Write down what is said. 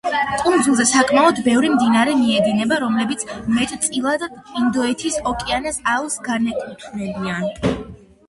კუნძულზე საკმაოდ ბევრი მდინარე მიედინება, რომლებიც მეტწილად ინდოეთის ოკეანის აუზს განეკუთვნებიან.